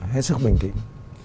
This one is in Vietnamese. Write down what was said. hết sức bình tĩnh